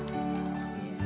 dikit dulu ya